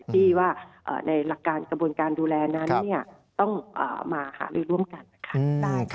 ที่ว่าในกระบวนการดูแลนั้นต้องมารวมกัน